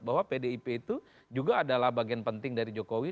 bahwa pdip itu juga adalah bagian penting dari jokowi